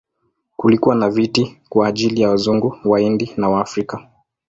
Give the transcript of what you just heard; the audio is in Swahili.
Kulikuwa na viti kwa ajili ya Wazungu, Wahindi na Waafrika.